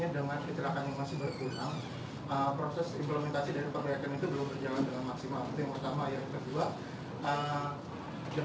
apakah berani nantinya akan menjatuhkan sanksi yang lebih tegas daripada tersebut